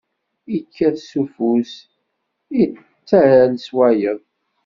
Ikkat s ufus, ittall s wayeḍ.